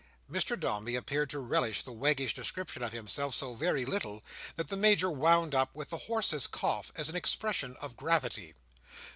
Mr Dombey appeared to relish this waggish description of himself so very little, that the Major wound up with the horse's cough, as an expression of gravity.